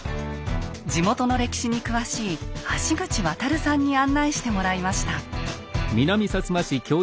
地元の歴史に詳しい橋口亘さんに案内してもらいました。